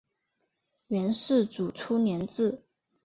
元世祖初年置。